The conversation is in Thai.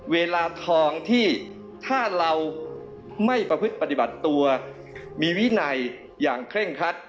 เวลาทองที่ถ้าเราไม่ประพฤติปฏิบัติตัวมีวินัยอย่างเคร่งครัด